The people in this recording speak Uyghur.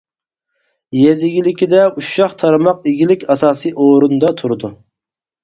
يېزا ئىگىلىكىدە ئۇششاق تارماق ئىگىلىك ئاساسىي ئورۇندا تۇرىدۇ.